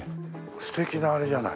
素敵なあれじゃない。